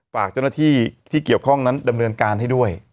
ฝากเจ้าหน้าที่ที่เกี่ยวข้องนั้นดำเนินการให้ด้วย